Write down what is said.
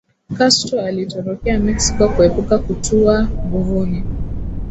Castro alitorokea Mexico kuepuka kutuwa nguvuni